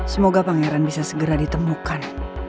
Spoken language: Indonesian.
semoga pangeran bisa segera ditemukan